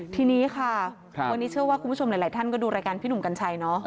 ทีนี้ค่ะวันนี้เชื่อว่าคุณผู้ชมหลายท่านก็ดูรายการพี่หนุ่มกัญชัยเนาะ